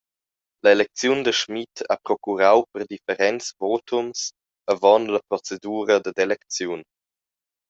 La elecziun da Schmid ha procurau per differents votums avon la procedura dad elecziun.